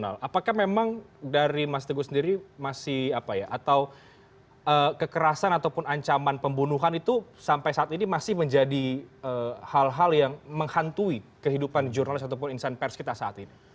apakah memang dari mas teguh sendiri masih apa ya atau kekerasan ataupun ancaman pembunuhan itu sampai saat ini masih menjadi hal hal yang menghantui kehidupan jurnalis ataupun insan pers kita saat ini